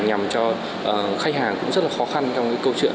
nhằm cho khách hàng cũng rất là khó khăn trong cái câu chuyện